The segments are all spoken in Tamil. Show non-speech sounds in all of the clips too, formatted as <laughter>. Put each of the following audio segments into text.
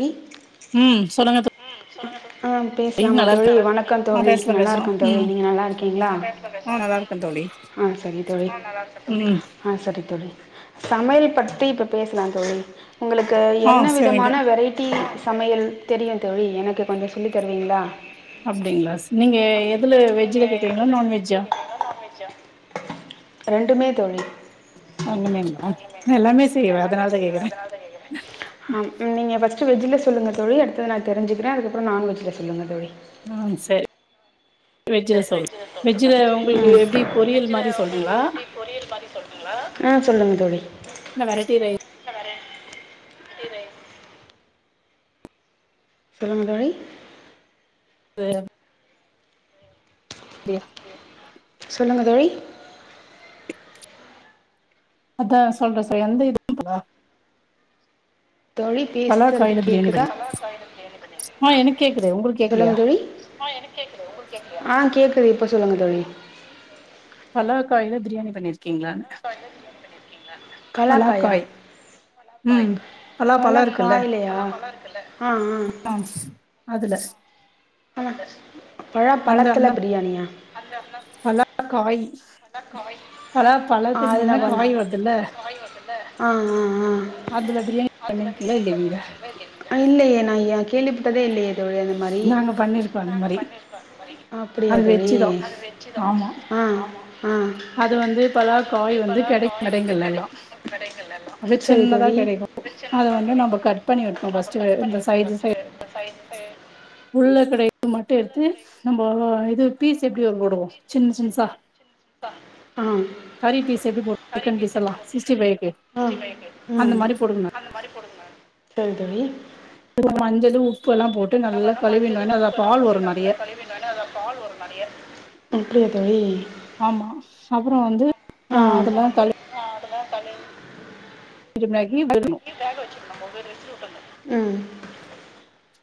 நீ ம் சொல்லுங்க தோ ம் பேசலாமா தோழி வணக்கம் ஆ தோழி பேசலா நல்லா பேசலா இருக்க தோழி ம் நீங்க நல்லா இருக்கீங்களா ஆ நல்லா இருக்கே தோழி ஆ செரி தோழி ம் ஆ செரி தோழி சமையல் பத்தி இப்போ பேசலா தோழி உங்களுக்கு ஆ என்ன சரிங்க விதமான வெரைட்டி சமையல் தெரியு தோழி எனக்கு கொஞ்சோ சொல்லி தருவீங்களா அப்டிங்களா நீங்க எதுல வெஜ்ஜல கேக்குறீங்களா நான்வெஜ்ஜா வெஜ்ஜா நான்வெஜ்ஜா ரெண்டுமே தோழி ஆ இன்னிமேலா அ எல்லாமே செய்யவேன் அதனால தான் கேக்குரே ஆ நீங்க ஃபஸ்ட்டு வெஜில்ல சொல்லுங்க தோழி அடுத்தத்து நான் தெரிஞ்சுறேன் அதுக்கப்புறே நான்வெஜ்ஜில் சொல்ங்க தோழி ம் செரி வெஜ்ஜ்ல சொல்ற வெஜ்ஜ்ல உங்களுக்கு ம் எப்டி பொரியல் மாதிரி சொல்லனுங்களா ஆ சொல்லுங்க தோழி இல்ல வெரைட்டி ரைஸ் இல்ல வேற வெரைட்டி ரைஸ் சொல்லுங்க தோழி சரி டியா சொல்லுங்க தோழி அதா சொல்றே சொல்றே எந்த இடத்துல தோழி பேசுறது கேக்குதா ஆஹ் எனக்கு கேக்குது உங்களுக்கு கேக்குலயா ஆஹ் கேக்குது இப்ப சொல்லுங்க தோழி பலவ காயில பிரியாணி பண்ணியிருக்கீங்ளா பலாக்காயா பலாக்காய் ம் பலா பல பழோ இருக்குல்ல காய்லயா ஆஹ் ஆஹ் ஆ அதுல ஆ பழ பழத்துல பிரியாணியா பலக்காயு பழ பழத்துக்கு முன்ன காய் வருதுல்ல ஆஹ் ஆஹ் அதுல பிரியாணி பண்ணிருக்கீங்களா இல்லையா நீங்க ஆஹ் இல்லையே நா கேள்விப்பட்டதே இல்லயே தோழி அது மாரி நாங்க பண்ணிருக்கோம் அந்த மாரி அப்டியா அது தோழி வெஜ்ஜு தா ஆமா ஆஹ் ஆஹ் அது வந்து பலா அது வந்து காய் இப்போலா கெடைக்கு காய் வந்து கடைங்கள்ல எல்லா கிடைக்கு கடைகள்ல அப்டியே சின்னதா சரித்தோழி கெடைக்கு அ அத சின்னதா வந்து நம்ம கிடைக்கு கட் பண்ணி அத வந்து வெட்ணு நம்ம ஃபஸ்ட்டு வெ கட் இந்த பண்ணணு சைடு சை ஃபஸ்ட்டு இந்த சைடுக்கு உள்ள கடைரது மட்டு எடுத்து நம்போ இது பீஸ் எப்டி வ போடுவோ சின்ன சின்னசா உம் கறி பீஸ் எப்டி போடுவோ சிக்கன் பீஸ்ல்லா சிக்ஸ்டிஃபைக்கு ஆஹ் ம் சரி தோழி இது மஞ்சலு உப்புல்லா போட்டு நல்லா கழுவி ஏனா அதுல பால் வரு நெறைய அப்டியா தோழி ஆமா அப்புறோ வந்து ஆ அதுல கழு ஆ அதுலதா கழுவி ஊத்தனு இது நஹி வேறு <inaudible> ம்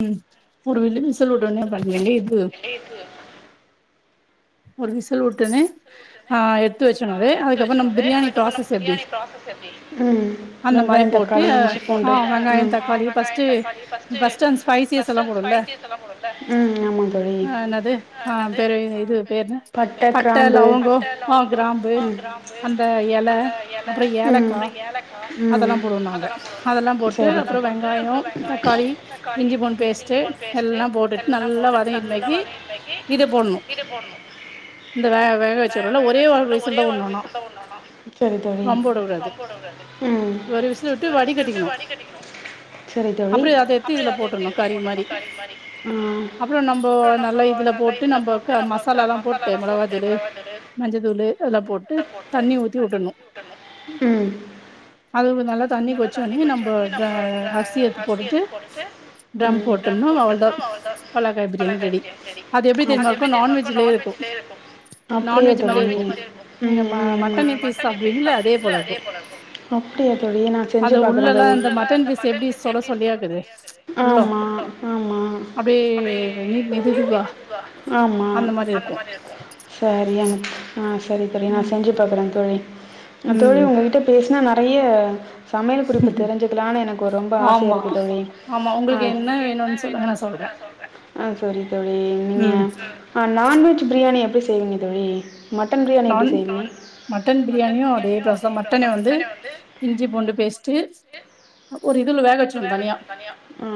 ம் ஒரு வேல விசில் விட்டோனே பண்ணுங்க இது ஒரு விசில் விட்டோன்னே ஆ எடுத்து வச்சணு அது அதுக்கப்புறோ நம்ம பிரியாணி ப்ராசஸ் எப்டி ப்ராசஸ் எப்டி அந்த மாரி போட்டு ஆ வெங்காயோ தக்காளி பர்ஸ்ட்டு பஸ்ட்டு அந்த ஸ்பைசியஸ் எல்லா போடுவோம்ல ம் ஆமா தோழி ஆ என்னது ஆ பெரிய இது பேர் என்ன பட்ட லவங் ங்கோ ஆ கிராம்பு அந்த எல அப்புறே ஏலக்கா அப்புறோ அதெல்லா போடுவோம் நாங்க அதெல்லா போட்டு அப்புறோ வெங்காயோ தக்காளி இஞ்சி பூண்டு பேஸ்ட்டு பேஸ்ட்டு எல்லா போட்டுட்டு எல்லா நல்லா போட்டுட்டு நல்லா வதங்கினமேக்கி வதங்கி இத போடணு <unintelligible> இது போடணு இந்த வே வா வச்சுரோல ஒரே ஒரு விசிலு தா உடணு ஆனா சரி தோழி ரொம்ப வுட கூடாது ம் ஒரு விசில் விட்டு வடிக் கட்டிக்கணு சரி தோழி அப்புறோ அத எடுத்து இதுல போட்ருணு கறி மாரி ஆ அப்புறோ நம்போ நல்லா இதுல போட் ல போட்டு நம்ம வ மசாலாலா போட்டு மஞ்சத்தூளு அதெல்லா போட்டு தண்ணி ஊத்தி விட்டணு ம் அது நல்லா தண்ணி கொதிச்சு உன்னே நம்போ அரிசி எடுத்து போட்டுட்டு தம் ம் போட்டுனு அவ்ளதா பல்லக்காய் பிரியாணி ரெடி அது எப்டி தெரியுமா இருக்கு நான்வெஜ் நான்வெஜ்லயே இருக்கு அப்படியே தோழி நான்வெஜ் மாரியே இருக்கு ம் ம் ம் ம் மட்டன் எப்டி இருக்கோ அதே போல இருக்கு அப்டியா தோழி நா செஞ்சு அது பாக்குறே உள்ளல்லா தோழி அது அந்த உள்ளளா இந்த மட்டன் பீஸ் சொல எப்டி சொலயா சேள இருக்குது சேளயா இருக்குது உள்ளோ ஆமா ஆமா அப்டியே நீ இது இதுவா <unintelligible> ல்லா ஆமா அந்த மாரி இருக்கு சேரியாங்க ஆ சேரி தோழி நா ம் செஞ்சு பாக்குறே தோழி தோழி ம் உங்ககிட்ட பேசினா நெறைய சமையல் குறிப்பு தெரிஞ்சுக்கலான்னு எனக்கு ஒரு ரொம்ப ஆசையாக ஆமா இருக்குது தோழி உங்களுக்கு என்ன வேணுனு சொல்லுங்க நா சொல்ற ஆ சேரி தோழி நீங்க ம் ஆ நான்வெஜ் பிரியாணி எப்டி செய்வீங்க தோழி மட்டன் பிரியாணி எப்டி நான் செய்வீங்க மட்டன் பிரியாணியு அதே ப்ராச தா மட்டன வந்து இஞ்சி பூண்டு பேஸ்ட்டு ஒரு இதுல வேக வச்சிரனு தனியா அ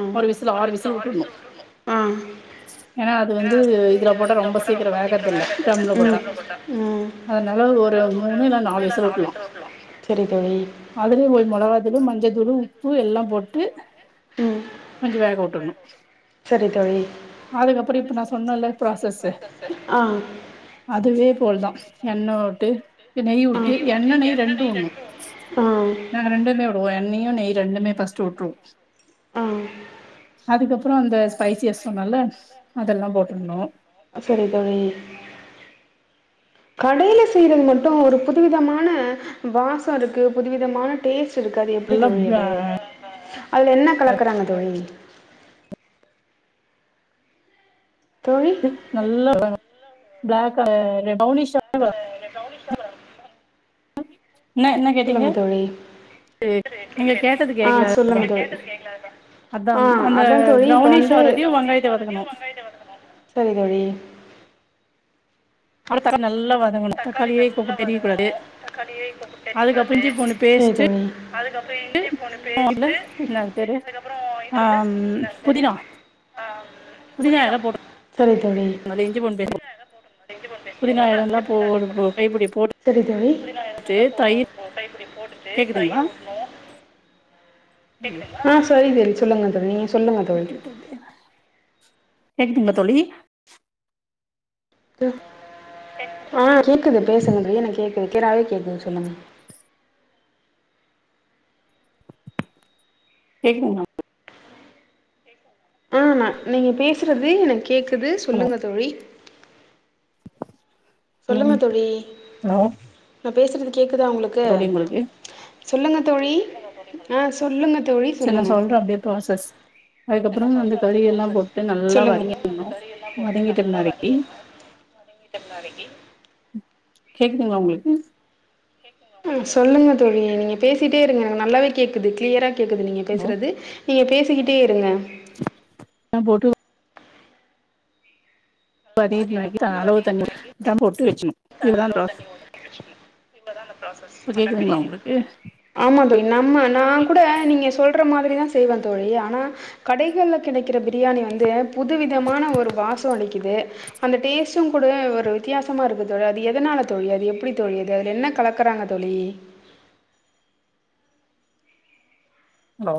ஒரு விசில் ஆறு விசில் உடனு ஆ ஏனா அது வந்து இதுல போட்டா ரொம்ப சீக்கிரோ வேகுறது இல்ல அடுப்புல போட்டா ம் அதுனால ஒரு மூணு இல்ல நாலு விசில் உடலா சேரி தோழி அதுலயே போய் மிளகாத்தூளு மஞ்சள்த்தூளு உப்பு எல்லா போட்டு கொஞ்சோ வேக விட்டுடனு செரி தோழி அதுக்கப்றோ இப்ப நா சொன்னேன்ல ப்ராசஸ்சு ஆ அதுவே போல தா எண்ண விட்டு நெய் வுட்டு எண்ணெ நெய் ரெண்டு உடணு ஆ நாங்க ரெண்டுமே வுடுவோ எண்ணையு நெய் ரெண்டுமே ஃபஸ்ட் வுட்டுருவோ ஆ அதுக்கப்பறோ அந்த ஸ்பைசியஸ் சொன்னால அதெல்லா போட்றணு சேரி தோழி கடையில செய்றது மட்டு ஒரு புதுவிதமான வாசோ இருக்கு புதுவிதமான டேஸ்ட் இருக்கு அது எப்டி நல்லா தோழி ப்ளா அது அதுல் என்ன கலக்கறாங்க தோழி தோழி நல்ல பிளாக்கா ஆ ப்ரெளனிஷா அத இந்த ப்ரெளனிஷா வதங்கனு என்ன என்ன கேட்டீங்க தோழி நீங்க கேட்டது ஆ கேக்கல அதா சொல்லுங்க தோழி அதா ஆ அந்த அதா தோழி இப்ப ப்ரெளனிஷ் வந்து ஆகிரதியு வெங்காயத்த வதக்கணு செரி தோழி <unintelligible> நல்லா வதங்கணு தக்காளியே கூட‌ தெரியக் கூடாது தக்காளிய இப்ப தெரியக்கூடாது செரி தோழி அதுக்கப்புறோ எ இல்ல என்ன அது பேரு ஆ ம் புதினா ஆ ம் புதினா இல போட்டனு இஞ்சு பூண்டு போஸ்ட் போடணு இஞ்சி பூண்டு பேஸ்ட் போடுறோம்ல அப்டியே புதினாவையு ஒரு போட்ரனு கைப்பிடி சேரி தோழி இஞ்சி புதினா போட்டுட்டு எல்லா தயிர் ஒரு கைப்பிடி போட்டுட்டு தயிர் ஊத்தணு அயோ ஆ சேரி தோழி சொல்லுங்க தோழி சொல்லுங்க தோழி விட்டுவிட்டு கேக் ஆ கேக்குதுங்களா தோழி ஆ கேக்குது பேசுங்க பிரியா என்ன கேக்குது கீளியராவே கேக்குது சொல்லுங்க கேட்க்ணுமா ஆமா நீங்க பேசுறது எனக் கேக்குது ஹலோ சொல்லுங்க தோழி சொல்லுங்க ம் தோழி ஹலோ நா பேசுறது கேக்குதா உங்களுக்கு தோழி உங்களுக்கு சொல்லுங்க தோழி ஆ சொல்லுங்க தோழி செரி நா சொல்லுங்க சொல்ற அப்டியே ப்ராசஸ் அதுக்கப்றோ அந்த கறி எல்லா போட்டு நல்லா வதங்கிர்ணு எல்லா போட்டு நல்லா வதங்கிர்ணு வதங்கிட்ட பின்னாடிக்கி கேக்குதுங்ளா உங்ளுக்கு ஆ சொல்லுங்க தோழி நீங்க பேசிட்டே இருங்க எனக்கு நல்லாவே கேக்குது கிளியரா கேக்குது நீங்க ஹலோ பேசுறது நீங்க பேசிக்கிட்டே இருங்க ஆ போட்டு <inaudible> அளவு தண்ணி போட்டு தம் போட்டு வச்சிணு அளவு தண்ணி ஊத்தி வச்சிர்ணு இவ்ளோதா அந்த ப்ராசஸ் இப்ப மட்டன் கேக்குதுங்களா பிரியாணி உங்களுக்கு ஆமா தோழி நம்ம நா கூட நீங்க சொல்ற மாதிரி தா செய்வே தோழி ஆனா கடைகள்ல கெடைக்கிற பிரியாணி வந்து புது விதமான ஒரு வாசோ அளிக்குது அந்த டேஸ்டு கூட ஒரு வித்தியாசமா இருக்கு அது எதனால தோழி அது எப்டி தோழி அது அதுல என்ன கலக்கறாங்க தோழி அலோ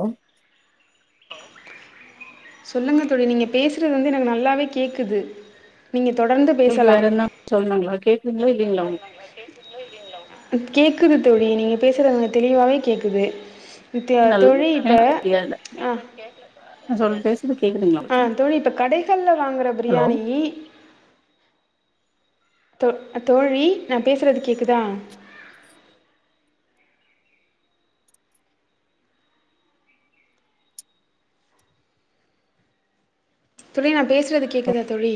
சொல்லுங்க தோழி‌ நீங்க பேசுறது வந்து எனக்கு நல்லாவே கேக்குது நீங்க தொடர்ந்து உங்ளுக்கு பேசலா வேற எதுனா சொல்ணுங்ளா கேக்குங்ளா இல்லைங்ளா உங்க கேக்குது தோழி நீங்க பேசுறது எனக்கு தெளிவாவே கேக்குது த்தியா நல் தோழி இப்ப எனக்கு சரியா இல்ல ஆ நா சொல் பேசுறது கேக்குதுங்களா ஆ உங்களுக்கு தோழி இப்ப கடைகள்ல வாங்குற ஹலோ பிரியாணி தோ தோழி நா பேசுறது கேக்குதா தோழி நா பேசுறது கேக்குதா தோழி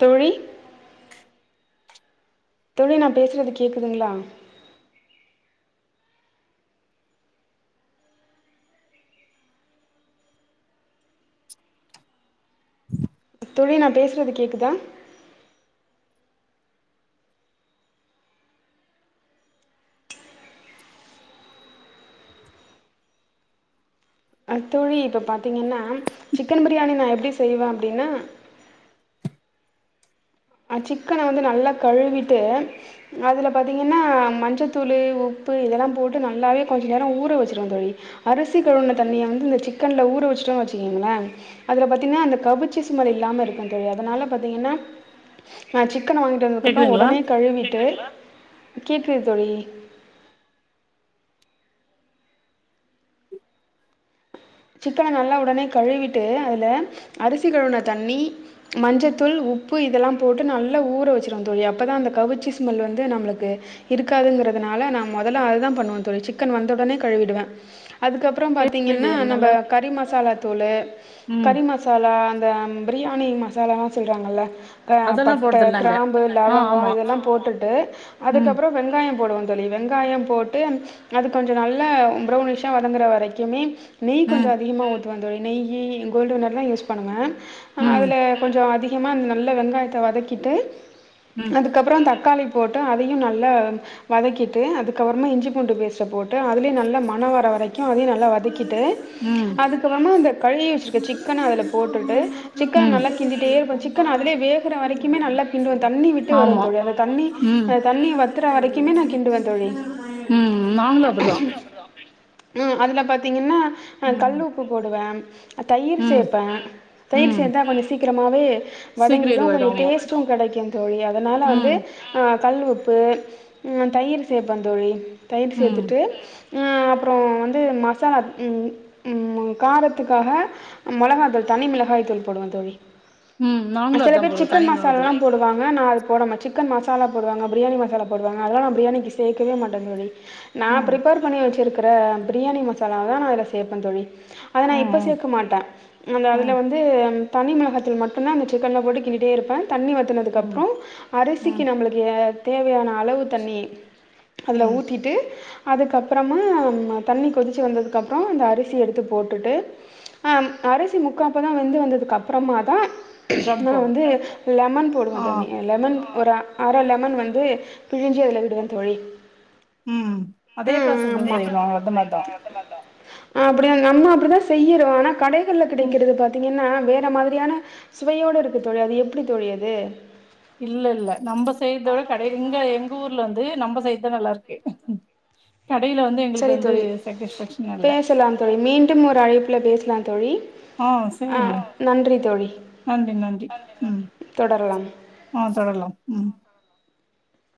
தோழி தோழி நா பேசுறது கேக்குதுங்ளா தோழி நா பேசுறது கேக்குதா அ தோழி இப்ப பார்த்தீங்கன்னா சிக்கனு பிரியாணி நா எப்டி செய்வே அப்டின்னா அ சிக்கன வந்து நல்லா கழுவிட்டு அதுல பார்த்தீங்கன்னா மஞ்சத்தூளு உப்பு இதெல்லா போட்டு நல்லாவே கொஞ்ச நேரோ ஊற வச்சிருவே தோழி அரிசி கழுவுன தண்ணிய வந்து இந்த சிக்கன்ல ஊற வச்சிட்டோ வச்சுக்கிங்கள அதுல பாத்தீனா அந்த கவிச்சி ஸ்மெல் இல்லாம இருக்கு தோழி அதனால பாத்தீங்கன்னா நா சிக்கன வாங்கிட்டு வந்ததுக்கப்புறோ கேக்குதுங்களா உடனே கழுவிட்டு கேக்குது தோழி சிக்கன நல்லா உடனே கழுவிட்டு அதுல அரிசி கழுவுன தண்ணி மஞ்சத்தூள் உப்பு இதெல்லா போட்டு நல்லா ஊற வச்சிருவ தோழி அப்போ தா அந்த கவிச்சி ஸ்மெல் வந்து நம்ளுக்கு இருக்காதுங்கறதுனால நா மொதல்ல அதுதா பண்ணுவே தோழி சிக்கன் வந்த உடனே கழுவிடுவே அதுக்கப்றோ கேக்குதுங்களா பார்த்தீங்கன்னா இல்லையா என்னால நம்ம கறி மசாலா தூளு ம் கறி ம மசாலா அந்த பிரியாணி மசாலல்லா சொல்றாங்கல்ல ப அதெல்லா பட்ட போடுறதில்ல நாங்க கிராம்பு ஆ லவங்கோ ஆமா இதெல்லா போட்டுட்டு ம் அதுக்கப்புறோ வெங்காய போடுவோ தோழி வெங்காயம் போட்டு அது கொஞ்ச நல்லா பிரௌனிஷா வதங்குற வரைக்குமே நெய் கொஞ்ச ம் அதிகமாக ஊத்துவ தோழி நெய்யி கோல்டுவின்னர்லா யூஸ் பணணுவே ம் அதுல கொஞ்சோ அதிகமா நல்ல வெங்காயத்த வதக்கிட்டு ம் அதுக்கப்றோ தக்காளி போட்டு அதையு நல்லா வதக்கிட்டு அதுக்கப்புறமா இஞ்சி பூண்டு பேஸ்ட போட் டு அதுலியு நல்லா மன வர வரைக்கு அதே நல்லா வதக்கிட்டு ம் அதுக்கப்புறமா அந்த கழுவி வச்சிக்கிற சிக் கன அதுல போட்டுட்டு சிக்கன ம் நல்லா கிண்டிட்டே இருப்ப சிக்கன அதுலே வேகுற வரைக்கிமே நல்லா கிண்டுவ தண்ணி விட்டு வரு ஆமா தோழி அந்த தண்ணி ம் அந்த தண்ணி வத்துற வரைக்குமே நா கிண்டுவ தோழி உம் நாங்களு அப்பிடிதா ம் அதுல பாத்தீங்கன்னா அ கல் ம் உப்பு போடுவே தயிர் ம் சேப்பே தயிர் ம் சேந்தா கொஞ்ச சீக்கிரமாவே சீக்கிர வதங்கிடு கொஞ்ச இதுவாயிடு ஆமா டேஸ்ட்டூ கெடைக்கு தோழி அதனால வந்து ம் ஆ கல் உப்பு ம் நா தயிரு சேப்பேந்தோழி தயிர் ம் சேத்துட்டு நா அப்றோ வந்து மசாலா ம் ம்ம காரத்துக்காக மொளகா தூள் தனி மிளகாய் தூள் போடுவ தோழி ம் நாங்களு சில அதா பேர் போடுவோ தனி சிக்கன் மசாலால்லா மிளகாத்தூள் போடு வாங்க நா அது போடம சிக்கன் மசாலா போடுவாங்க பிரியாணி மசாலா போடுவாங்க அதல்லா நா பிரியாணிக்கி சேக்கவே மாட்டந்தோழி நா ம் ப்ரிப்பேர் பண்ணி வச்சிருக்குற பிரியாணி மசாலாவதா நா இதுல சேப்பந் தோழி அத நா ம் இப்ப ம் சேக்க மாட்டே அந்த அதுல ம் வந் து அந் தனிமிளகாத்தூள் மட்டுந்தா அந்த சிக்கன்ல போட்டு கிண்டிட்டே இருப்பே தண்ணி ம் வத்துனதுக்கப்றோ அரிசிக்கி ம் நம்மளுக்கு தேவையான அளவு தண்ணி அதுல ம் ஊத்தீட்டு அதுக்கப்றமாம்ம தண்ணி கொதிச் சி வந்ததுக்கப்றோ இந்த அரிசி எடுத்து போட்டுட்டு ஆம் அரிசி முக்காப்பதோ வெந்து வந்ததுக்கப்றமாதா ட்ரம் நா போடுவோ வந்து லெமன் போடுவ ஆ தமி அ லெமன் ஒரு அ அர லெமன் வந்து பிழிஞ்சி அதுல விடுவ தோழி உம் அதே ப்ராசஸ்தா செய்யணு அத மார்தா அ அப்டியா நம்ம அப்டிதா செய்யிறோ ஆனா கடைகள்ல ம் கிடைக்கிறது பாத்தீங்கன்னா வே ற மாதிரியான சுவையோட இருக்கு தோழி அது எப்டி தோழி அது இல்ல இல்ல நம்ம செய்றத விட கடை இங்க எங்க ஊர்ல வந்து நம்ம செய்றதுதா நல்லாருக்கு கடையில வந்து எங்களுக்கு சரி வந்து தோழி சேட்டிஸ்ஃபேக்ஷனா இல்ல பேசலாம் தோழி மீண்டும் ஒரு அழைப்புல பேசலா தோழி ஆ ஆ சேரிங்க நன்றி தோழி நன்றி நன்றி ம் தொடரலாம் ஆ தொடரலாம் ம்